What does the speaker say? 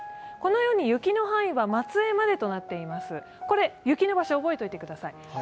雪の範囲は松江までとなっています、雪の場所を覚えておいてください。